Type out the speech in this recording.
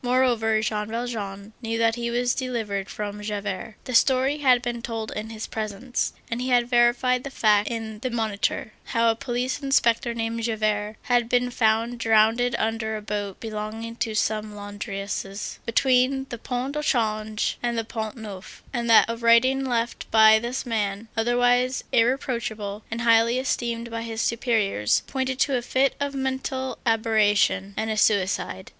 Moreover, Jean Valjean knew that he was delivered from Javert. The story had been told in his presence, and he had verified the fact in the Moniteur, how a police inspector named Javert had been found drowned under a boat belonging to some laundresses, between the Pont au Change and the Pont Neuf, and that a writing left by this man, otherwise irreproachable and highly esteemed by his superiors, pointed to a fit of mental aberration and a suicide.